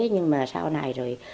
nhưng mà sau này rồi